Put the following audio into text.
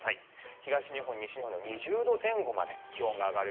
東日本、西日本でも２０度前後まで気温が上がる。